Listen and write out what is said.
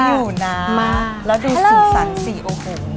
แล้วดูสีสันสีโอ้โห